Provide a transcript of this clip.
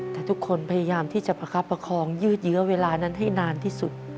แต่ทุกคนพยายามที่จะประคับประคองยืดเยื้อเวลานั้นให้นานที่สุด